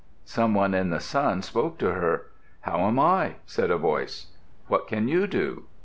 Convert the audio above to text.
Some one in the sun spoke to her. "How am I?" said a voice. "What can you do?"